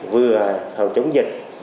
vừa phòng chống dịch